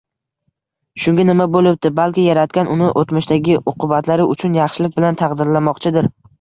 Shunga nima bo`libdi, balki Yaratgan uni o`tmishdagi uqubatlari uchun yaxshilik bilan taqdirlamoqchidir